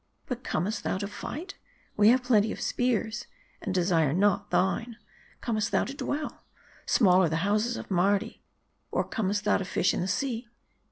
But comest thou to fight ? We have plenty of spears, and desire not thine. Comest thou to dwell ? Small are the houses of Mardi. Or ccmest thou to fish in the sea